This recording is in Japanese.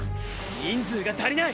人数が足りない！！